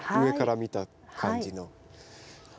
上から見た感じの。